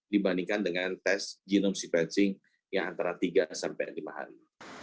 dibandingkan dengan tes genome sequencing yang antara tiga sampai lima hari